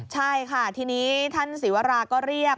ใช่ค่ะทีนี้ท่านศิวราก็เรียก